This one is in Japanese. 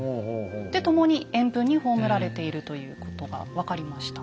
で共に円墳に葬られているということが分かりました。